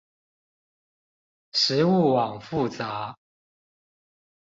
食物網複雜